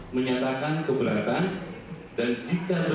menyatakan keberatan dan jika